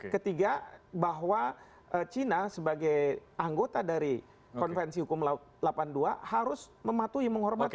ketiga bahwa china sebagai anggota dari konvensi hukum laut delapan puluh dua harus mematuhi menghormati